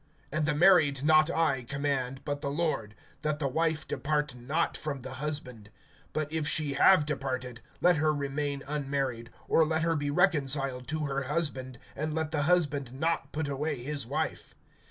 (10)And the married not I command, but the Lord, that the wife depart not from the husband. (11)But if she have departed, let her remain unmarried, or let her be reconciled to her husband; and let the husband not put away his wife.